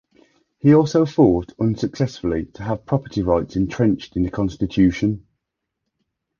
He also fought, unsuccessfully, to have property rights entrenched in the constitution.